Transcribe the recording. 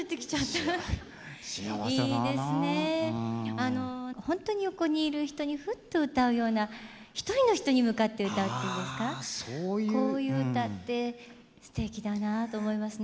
あのほんとに横にいる人にふっと歌うような１人の人に向かって歌うっていうんですかこういう歌ってすてきだなあと思いますね。